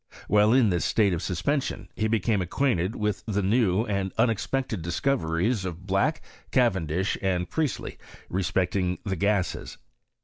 While in this state of suspension he became acquainted with the new and unexpected discoveries of Black, Cavendish, and Priestley, respecting the gases.